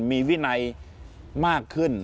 มีวินัยมากขึ้น